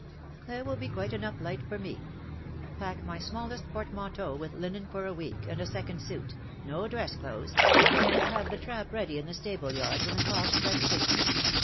'''' There will be quite enough light for me. Pack my smallest portmanteau with linen for a week, and a second suit — no dress clothes — and have the trap 254 ''^LOVE BORE SUCH BITTER ready in the stable yard when the clock strikes six.